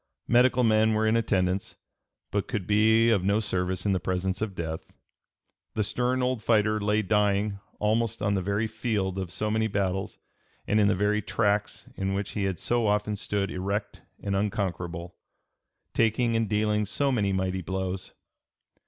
Medical men were in attendance but could be of no service in the presence of death. The stern old fighter lay dying almost on the very field of so many battles and in the very tracks in which he had (p. 308) so often stood erect and unconquerable, taking and dealing so many mighty blows.